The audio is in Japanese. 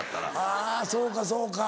はぁそうかそうか。